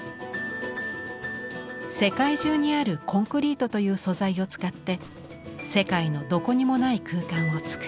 世界中にあるコンクリートという素材を使って世界のどこにもない空間をつくる。